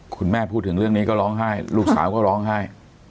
คุณแม่พูดถึงเรื่องนี้ก็ร้องไห้ลูกสาวก็ร้องไห้